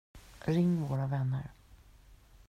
Ring våra vänner.